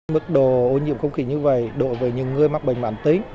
mức độ ô nhiễm không khí như vậy đội về những người mắc bệnh mãn tính